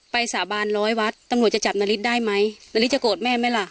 ไปสาบานร้อยวัดตำนวดจะจับนฤทธิ์ได้ไหมนฤทธิ์จะโกรธแม่ไหมล่ะ